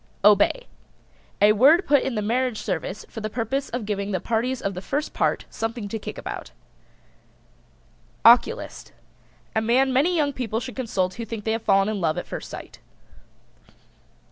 OBEY. A word put in the marriage service for the purpose of giving the parties of the first part something to kick about. OCULIST. A man many young people should consult who think they have fallen in love at first sight.